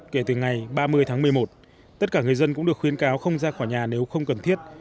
kể từ ngày ba mươi tháng một mươi một tất cả người dân cũng được khuyến cáo không ra khỏi nhà nếu không cần thiết